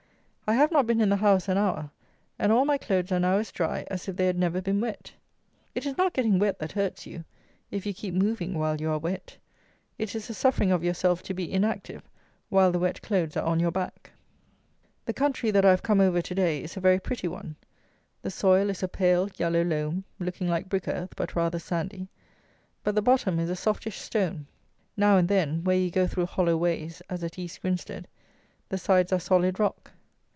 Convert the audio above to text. I have not been in the house an hour; and all my clothes are now as dry as if they had never been wet. It is not getting wet that hurts you, if you keep moving while you are wet. It is the suffering of yourself to be inactive while the wet clothes are on your back. The country that I have come over to day is a very pretty one. The soil is a pale yellow loam, looking like brick earth, but rather sandy; but the bottom is a softish stone. Now and then, where you go through hollow ways (as at East Grinstead) the sides are solid rock.